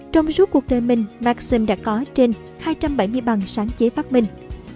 trong suốt cuộc đời mình maxim đã có trên hai trăm bảy mươi bằng sáng chế phát minh